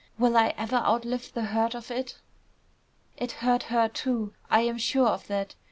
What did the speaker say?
Will I ever outlive the hurt of it?" "It hurt her, too; I am sure of that.